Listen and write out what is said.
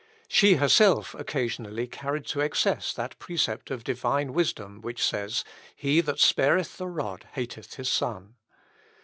She herself occasionally carried to excess that precept of Divine wisdom, which says, "He that spareth the rod hateth his son."